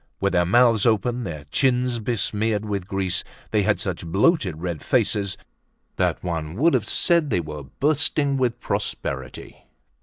With their mouths open, their chins besmeared with grease, they had such bloated red faces that one would have said they were bursting with prosperity.